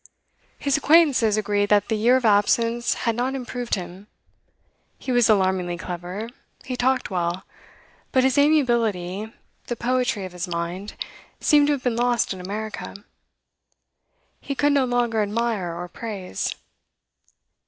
His acquaintances agreed that the year of absence had not improved him. He was alarmingly clever; he talked well; but his amiability, the poetry of his mind, seemed to have been lost in America. He could no longer admire or praise.